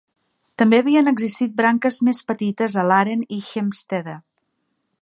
També havien existit branques més petites a Laren i Heemstede.